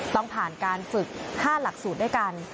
ต้องผ่านการฝึก๕หลักสูตรด้วยกัน